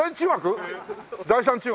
第三中学？